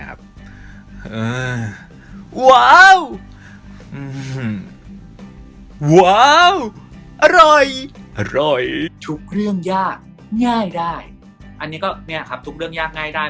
อันนี้ก็นี่ครับทุกเรื่องยากง่ายได้